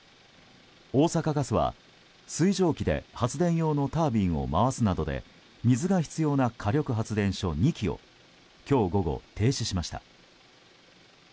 大阪ガスは水蒸気で発電用のタービンを回すなどで水が必要な火力発電所２基を今日午後、停止しました。